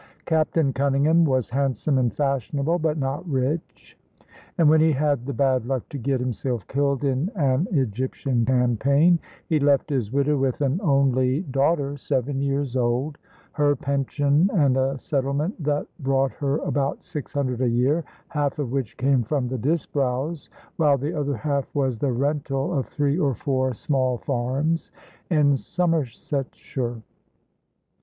Captain Cunningham was handsome and fashionable, but not rich; and when he had the bad luck to get himself killed in an Egyptian campaign, he left his widow with an only daughter seven years old, her pension, and a settlement that brought her about six hundred a year, half of which came from the Disbrowes, while the other half was the rental of three or four small farms in Somersetshire.